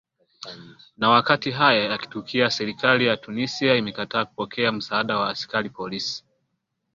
na wakati haya yakitukia serikali ya tunisia imekataa kupokea msaada wa askari polisi